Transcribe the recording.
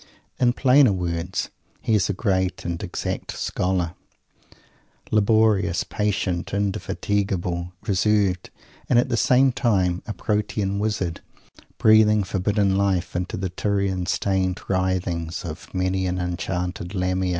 In plainer words, he is a great and exact scholar laborious, patient, indefatigable, reserved; and, at the same time, a Protean Wizard, breathing forbidden life into the Tyrian stained writhings of many an enchanted Lamia!